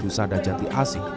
husada jati asi